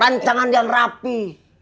rancangan yang rapi